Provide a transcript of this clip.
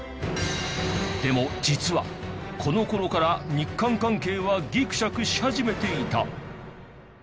でも実はこの頃から日韓関係はギクシャクし始めていた。